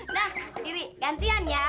nah gantian ya